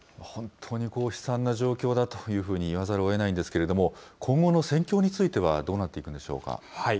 本当に悲惨な状況だと言わざるをえないんですけれども、今後の戦況についてはどうなっていくんでしょうか。